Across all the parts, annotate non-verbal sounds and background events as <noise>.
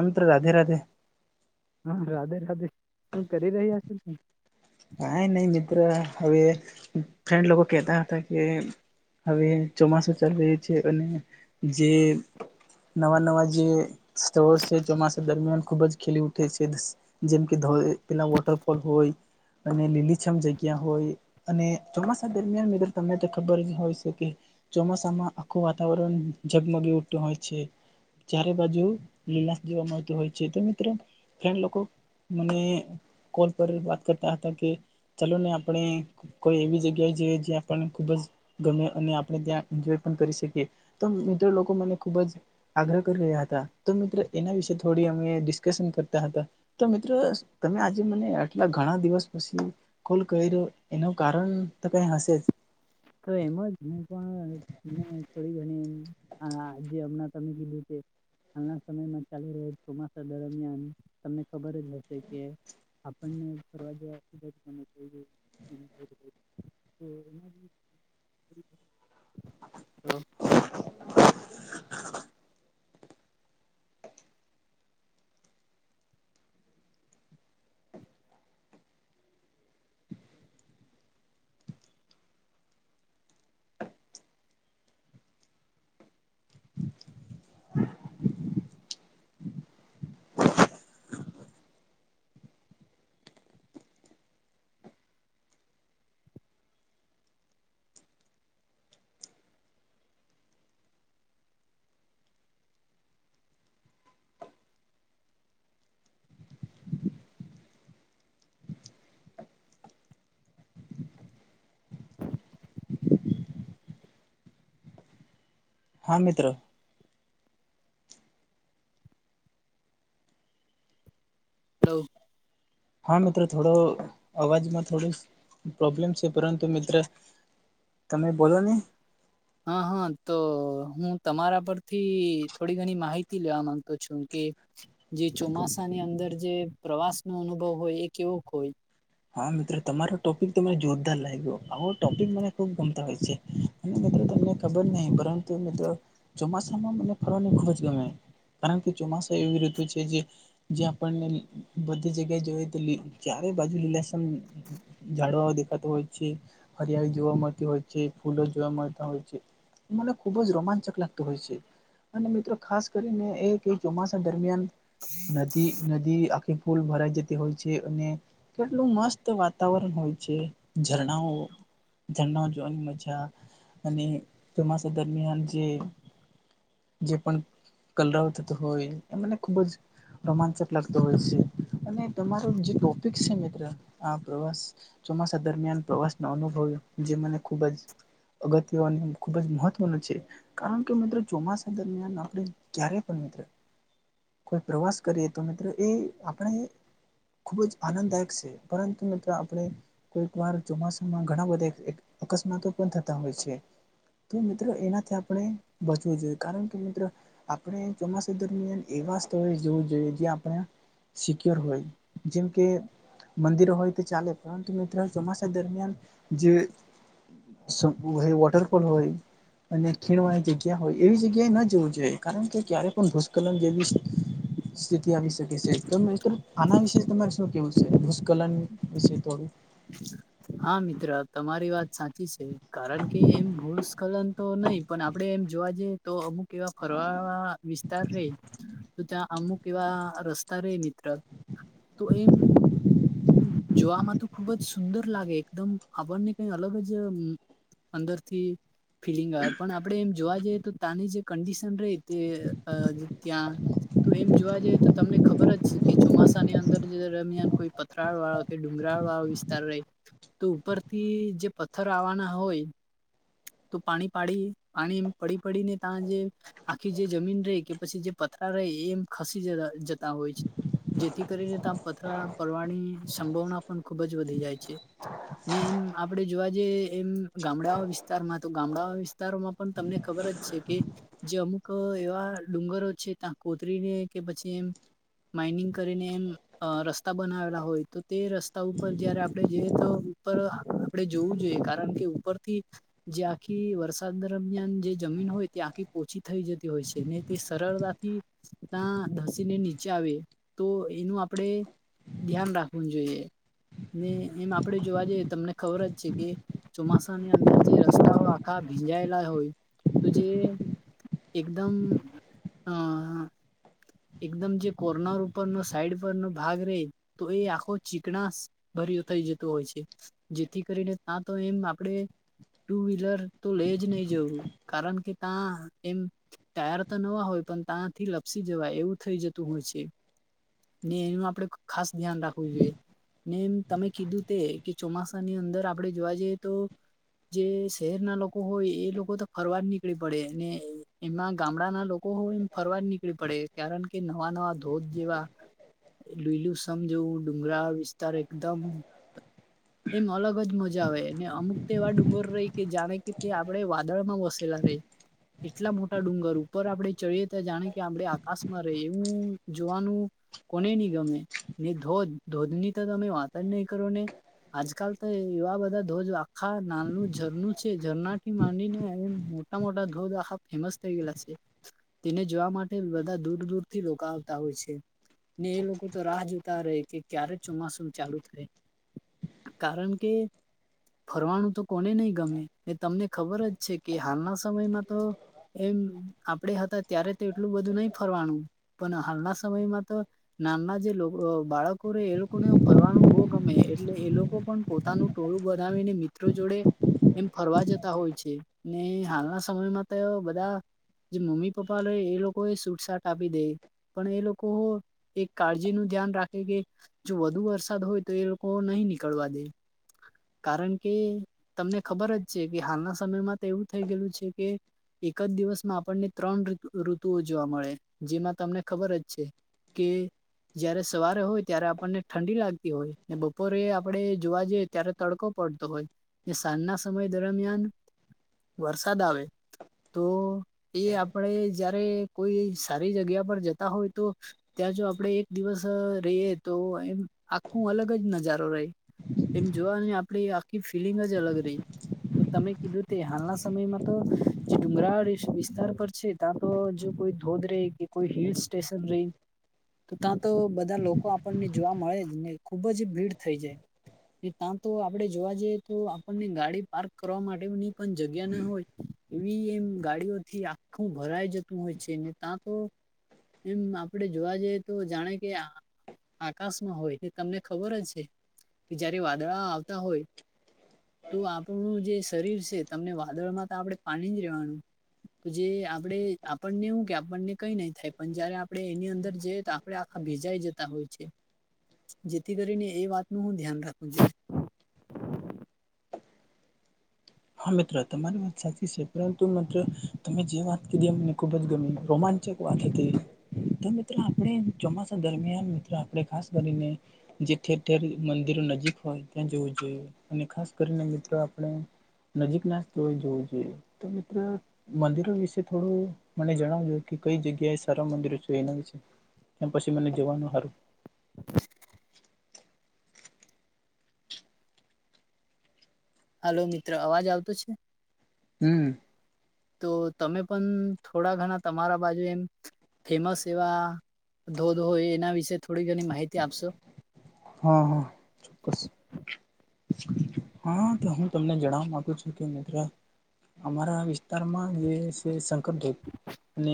અંત્ર, રાધે રાધે. હા, રાધે રાધે. શું કરી રહ્યા છે? કાઈ નઈ મિત્ર આ હવે, ફ્રેન્ડ લોકો કેતા હતા કે હવે ચોમાસું ચાલી રહ્યું છે અને જે નવા નવા જે સ્થયો છે, ચોમાસા દરમિયાન ખુબ જ ખીલી ઉઠે છે. જેમ કે ધોય, પેલા વોટરફોલ હોય. અને લીલીછમ જગ્યા હોય અને ચોમાસા દરમિયાન મિરર તમને તો ખબર જ હોય છે કે ચોમાસામાં આખું વાતાવરણ ઝગમગી ઉતું હોય છે. ચારે બાજુ લીલાશ જોવા મળતી હોય છે, તો મિત્રો ફેન લોકો મને કોલ પર વાત કરતા હતા, કે ચાલો ની આપણે કોઈ એવી જગ્યા જે જ્યાં પણ ખુબ જ ગમે અને આપણે ત્યાં એન્જોય પણ કરી સકીએ. તો મિધે લોકો મને ખુબ જ આગ્રહ કરી રહ્યા હતા. તો મિત્રો એના વિશે થોડી અમે ડિસ્કશન કરતા હતા. તો મિત્ર તમે આજે મને આટલા ઘણા દિવસ પસી કોલ કયરો, એનું કારણ તો કંઈ હશે જ. તો એમજ, હું પણ ને થોડી ઘણી હા જે અમના તમે કીધું તે. હાલના સમયમાં ચાલી રહેલ ચોમાસા દરમિયાન તમને ખબર જ હશે કે આપણને ફરવા જવાનું ખૂબ જ ગમે <unintelligible> <inaudible> હા મિત્ર તો હા મિત્રો થોડો અવાજમાં થોડો પ્રોબ્લેમ છે પરંતુ મિત્ર તમે બોલો ને. હા હા તો હું તમારા પરથી થોડી ઘણી માહિતી લેવા માંગતો છું કે. જે ચોમાસાની અંદર જે પ્રવાસનો અનુભવ હોય એ કેવો હોય. હા મિત્રો તમારો ટોપિક તો મને જોરદાર લાગ્યો આવો ટોપિક મને ખુબ ગમતા હોય છે. અને મિત્રો તમને ખબર નહી, પરંતુ મિત્રો ચોમાસામાં મને ફરવાનું ખૂબ જ ગમે. કારણ કે ચોમાસુ એવી ઋતુ છે જે જે આપણને બધી જગ્યાએ જોઈએ <unintelligible> તો ચારે ય બાજુ <unintelligible> આમ ઝાડવાઓ દેખાતા હોય છે. હરિયાળી જોવા મળતી હોય છે, ફૂલો જોવા મળતા હોય છે. મને ખુબ જ રોમાંચક લાગતો હોય છે. અને મિત્રો ખાસ કરીને એ કોઈ ચોમાસા દરમિયાન નદી નદી આખો ફુલ ભરાઈ જતી હોય છે અને એટલું મસ્ત વાતાવરણ હોય છે ઝરણાઓ. ઝરણાઓ જોવાની મજા અને ચોમાસા દરમિયાન જે જે પણ કલરવ થતો હોય એ મને ખુબ જ રોમાંચક લાગતો હોય છે અને તમારો જે ટોપિક છે ને આ પ્રવાસ ચોમાસા દરમિયાન પ્રવાસના અનુભવ જે મને ખુબ જ અગત્યનો અને ખૂબ જ મહત્ત્વનો છે. કારણ કે મિત્રો ચોમાસા દરમિયાન આપણે જ્યારે પણ મિત્ર કોઈ પ્રવાસ કરીએ તો મિત્રો એ આપણે એ ખૂબ જ આનંદદાયક છે. પરંતુ મિત્રો આપણે કોકવાર ચોમાસામાં ઘણા બધા એક અકસ્માતો પણ થતા હોય છે. તો મિત્રો એનાથી આપણે બચવું જોઈએ કારણ કે મિત્ર આપણે ચોમાસા દરમિયાન એવા સ્થળે જોવું જોઈએ જ્યા આપણે સિક્યોર હોય જેમ કે મંદિરો હોય તે ચાલે પરંતુ મિત્રો ચોમાસા દરમિયાન જે <unintelligible> વોટરફોલ હોય અને <unintelligible> એવી જગ્યાએ ન જવું જોઈએ કારણ કે ક્યારે પણ ભૂસ્ખલન <unintelligible> સ્થિતિ આવી શકે છે તો <unintelligible> આના વિશે તમારે શું કેવું છે. ભૂસખલન વિશે થોડું હા મિત્ર તમારી વાત સાચી છે કારણ કે એમ ભૂસ્ખલન તો નહી પણ આપડે એમ જોવા જઈએ તો અમુક એવા ફરવાવાળા વિસ્તાર રે. તો ત્યાં અમુક એવા રસ્તા રે મિત્ર તો એમ જોવામાં તો ખુબ જ સુંદર લાગે એકદમ આપણને કઈ અલગ જ અંદરથી ફિલિંગ આવે પણ આપડે એમ જોવા જઈએ તો ત્યાની જે કંડિશન રહી તે અ ત્યાં તો એમ જોવા જઈએ તો તમને ખબર જ કે ચોમાસાની અંદર દરમિયાન કોઈ પથરાળવાળો કે ડુંગરાળવાળો વિસ્તાર હોય. તો ઉપરથી જે પથ્થર આવવાના હોય. તો પાણી પાડી પાણી પડી પડીને તા જે આખી જે જમીન રે પછી જે પથરા રે એ એમ ખસી જત જતા હોય. જેથી કરીને તમ પથરા પલવાણી સંભાવના પણ ખુબ જ વધી જાય છે. નેમ આપડે જોવા જઈએ, એમ ગામડાઓ વિસ્તારમાં તો ગામડાઓ વિસ્તારોમાં પન તમને ખબર જ છે કે જે અમુક એવા ડુંગરો છે, તા કોતરીને કે પછી એમ માઇનિંગ કરીને એમ અ રસ્ તા બનાવેલા હોય તો તે રસ્તા ઉપર જયારે આપણે જઈએ, તો ઉપર આપડણે જોવું જોઈએ કારણ કે ઉ પરથી જે આખી વરસાદ દરમિયાન જે જમીન હોય, તે આખી પોચી થઈ જતી છે ને તે સરળતાથી તાં ધસીને નીચે આવે તો એનું આપડણે ધ્યાન રાખવું જોઈએ, ને એમ આપડે જોવા જઈએ તમને ખબર જ છે કે ચોમાસાની અંદર જે રસ્તાઓ આખા ભીંજાયેલા હોય તો જે એકદમ અં.... એકદમ જે કોર્નર ઉપર નો સાઈડ પર નો ભાગ રેય. તો એ આખો ચીકણાસ ભર્યું થઇ જતો હોય છે. જેથી કરીને તા તો એમ આપડે. ટુ વ્હીલર તો લેય જ નઈ જવું, કારણ કે તાં એમ ટાયર તો નવા હોય, પણ તાંથી લપસી જવાય એવું થઈ જતું હોય છે. ને એયમા આપડે ખ-ખાસ ધ્યાન રાખવું જોઈએ. નેમ તમે કીધું તે કે ચોમાસા ની અંદર આપડણે જોવા જઈએ તો જે શહેર ના લોકો હોય એ લોકો તો ફરવા જ નીકળી પડે ને એમાં ગામડાના લો કોહ્ન ફરવા નીકળી પડે કારણ કે નવા નવા ધોધ જેવા, લીઈલું સમજેવું ડુંગરાળ વિસ્તાર એકદમ એમ અલગ જ મજા આવે, ને અમુક તો એવા ડુંગર રેય કે જાણે કે તે આપડે વાદળ માં વસેલા રેય. એટલા મોટા ડુંગર ઉપર આપડણે ચડીએ, ત જાણે કે આપડણે આકાશમાં રહિએ વું જોવાનું. કોને ની ગમે ને ધોધ ધોધ ની તો તમે વાત જ નય કરો ને. આજકાલ તો એવા બધા ધોજ આખા નાલનું ઝરનું છે, ઝરણાથી માંડીને એમ મો ટા મોટા ધોધ આખા ફેમસ થઈ ગયેલા સે. તેને જોવા માટે બધા દૂર દૂરથી લોકા આવતા હોય છે, ને એ લોકો તો રાહ જો રે કે ક્યારે ચોમાસું ચાલુ થાય, કારણ કે ફરવાનું તો કોને નઈ ગમે ને તમને ખબર જ છે કે, હાલના સમયમાં તો એમ આપડી હાતે ત્યારે તો એટલું બધું નઈ ફરવાનું પન હાલના સમયમાં તો, નાના જે લો અ બાળકો રે એ લોકોને ફરવાનું બો ગમે એટલે એ લોકો પણ પોતાનું ટોળું બનાવીને મિત ત્રો જોડે, એમ ફરવા જતા હોય છે, ને હાલના સમયમાં તો બધા જે મમ્મી-પપ્પા રેય એ લોકો એ સૂટ સાટ આપી દે. પણ એ લોકો હો એક કાળજી નુ ધ્યાન રાખે કે, જો વધુ વરસાદ હોય તો એ લોકો નહી નીકળવા દે. કારણ કે તમને ખબર જ છે, કે હાલના સમયમાં તો એવું થઈ ગયેલું છે કે એક જ દિવસમાં આપને ત્રણ ઋત ઋતુઓ જોવા મળે, જેમાં તમને ખબર જ છે. કે જયારે સવારે હોય ત્યારે આપને ઠંડી લાગતી હોય ને બપોરે આપડણે જોવા જઈ ત્યારે તડકો પડતો હોય, ને સાંઆના સમય દરમિયાન વરસાદ આવે, તો એ આપણેે જયારે કોઈ સારી જગ્યા પર જતા હોય તો ત્યાં જો આપણે એક દિવસ રહીએ તો એમ આખું અલગ જ નજારો રહે એમ જોવાનું આપણી આખી ફીલિંગ જ અલગ રહી ને તમે કીધું તે હાલના સમયમાં તો જે ડુંગરાળ વિસ્તાર પર છે. ત જો કોઈ ધોધ રહી કે કોઈ હિલ સ્ટેશન રહે તો ત્યાં તો બધા લોકો આપણને જોવા મળે જ ને ખુબ જ ભીડ થઈ જાય. ત્યાં તો આપડે જોવા જઈએ તો આપણને ગાડી પાર્ક કરવા માટેની પણ જગ્યા ના હોય. એવી એમ ગાડીઓથી આખું ભરાઈ જતું હોય છેને ત્યાં તો એમ આપડે જોવા જઈએ તો જાણે કે આકાશમાં હોય તે તમને ખબર જ છે કે જયારે વાદળા આવતા હોય તો આપણું જે શરીર છે તમને વાદળમાં તો આપડે પાણી જ રહેેવાનું. તો જે આપણે આપણને એવું કે આપણને કઈ નહી થાય પણ જયારે આપડે એની અંદર જઈએ તો આ પડે આખા ભેજાઈ જતા હોય છે જેથી કરીને એ વાતનું ધ્યાન રાખવું જોઈએ. હા મિત્ર તમારી વાત સાચી છે પરંતુ મિત્ર તમે જે વાત કીધી મને ખુબ જ ગમે રોમાન ચક વાત હતી મિત્રો આપણે ચોમાસા દરમિયાન મિત્રો આપણે ખાસ કરીને. જે ઠેર ઠેર મંદિરો નજીક હોય ત્યાં જવું જોઈએ અને ખાસ કરીને મિત્રો આપણે નજીક ના સ્થળોએ જોવું જોઈએ તો મિત્ર મંદિરો વિશે થોડું મને જણાવજો કે જગ્યાએ સારા મંદિરો છે એના. ત્યા પછી મને જવાનું હારું હલો મિત્ર અવાજ આવતો છે. હમ્મ. તો તમે પણ થોડા ઘણા તમારા બાજુ એમ ફેમસ એવા ધોધ હોય એના વિશે થોડી ઘણી માહિતી આપશો. હા હા ચોક્કસ. હા તો હું તમને જણાવવા છું કે મિત્ર અમારા વિસ્તારમાં જે છે શંકરદેવ અને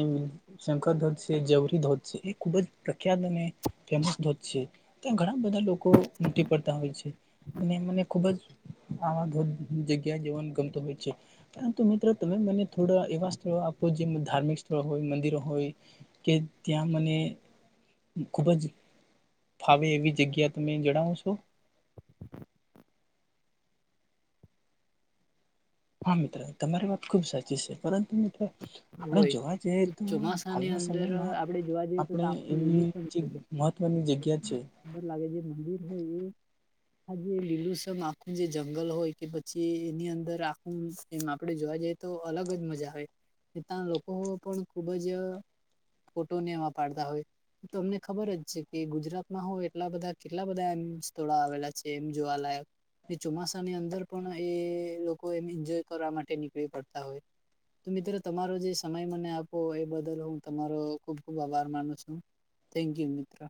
શંકર ધોધ છે જવરી ધોધ છે એ ખુબ જ પ્રખ્યાત અને ફેમસ ધોધ છે. ત્યાં ઘણા બધા લોકો ઉમટી પડતા હોય છે અને મને ખુબ જ આ ઘર જગ્યાએ જવાન ગમતો હોય છે. પરંતુ મિત્રો તમે મને થોડા એવા સ્થળો આપો જે ધાર્મિક સ્થળો હોય મંદિરો હોય કે ત્યાં મને ખુબ જ ફાવે એવી જગ્યા તમે જણાવશો? હા મિત્રો તમારી વાત ખુબ સાચી છે પરંતુ મિત્રો આપણે હોય જોવા જઈએ તો ચોમાસાની હાલના અંદર સમયમાં આપણે જોવા જઈએ તો આપણે આખું એની મહત્વની જગ્યા છે. અર લાગે જે મંદિર હોય એ. આ જે લીલુંસમ આખું જે જંગલ હોય કે પછી એની અંદર આખું એમ આપડે જોવા જઈએ. તો અલગ જ મજા આવે ત્યાં લોકો પણ ખુબ જ ફોટો ને એવા પાડતા હોય. તમને ખબર જ છે કે ગુજરાતમાં હો એટલા બધા કેટલા બધા એમ સ્થળો આવેલા છે એમ જોવાલાયક. એ ચોમાસાની અંદર પણ એ લોકો એમ એન્જોય કરવા માટે નીકળી પડતા હોય. તો મિત્ર તમારો જે સમય મને આપો એ બદલ હું તમારો ખુબ ખુબ આભાર માનું છું. થેન્ક યુ મિત્ર.